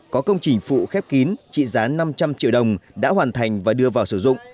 có công trình phụ khép kín trị giá năm trăm linh triệu đồng đã hoàn thành và đưa vào sử dụng